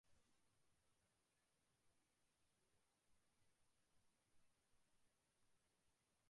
Aun así, no hay evidencias que respalden cual puede ser la visión correcta.